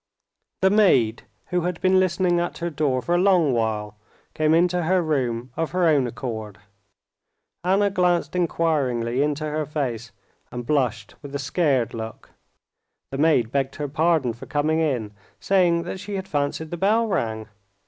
The maid, who had been listening at her door for a long while, came into her room of her own accord. Anna glanced inquiringly into her face, and blushed with a scared look. The maid begged her pardon for coming in, saying that she had fancied the bell rang.